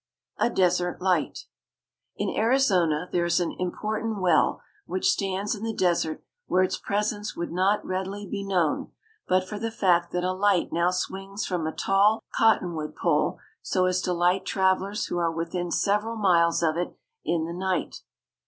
A DESERT LIGHT. In Arizona there is an important well which stands in the desert where its presence would not readily be known, but for the fact that a light now swings from a tall cotton wood pole so as to light travelers who are within several miles of it in the night.